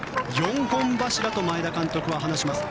４本柱と前田監督は話します。